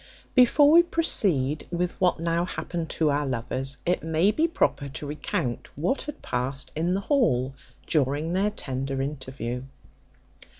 Before we proceed with what now happened to our lovers, it may be proper to recount what had past in the hall during their tender interview.